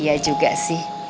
iya juga sih